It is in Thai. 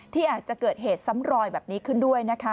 ที่อาจจะเกิดเหตุซ้ำรอยแบบนี้ขึ้นด้วยนะคะ